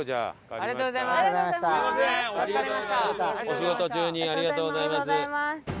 お仕事中にありがとうございます。